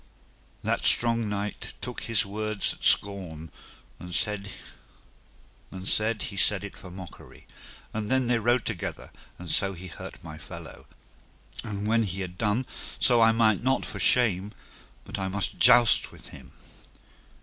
That strong knight took his words at scorn, and said he said it for mockery. And then they rode together, and so he hurt my fellow. And when he had done so I might not for shame but I must joust with him.